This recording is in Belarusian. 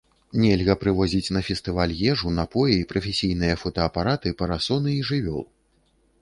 Нельга прывозіць на фестываль ежу, напоі, прафесійныя фотаапараты, парасоны і жывёл.